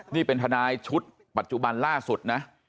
นี่เป็นทนายชุดปัจจุบันล่าสุดนะ